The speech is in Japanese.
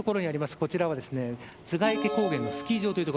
こちらは栂池高原のスキー場という所。